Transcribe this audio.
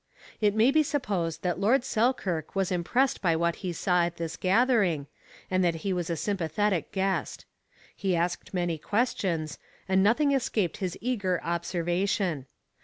It may be supposed that Lord Selkirk was impressed by what he saw at this gathering and that he was a sympathetic guest. He asked many questions, and nothing escaped his eager observation.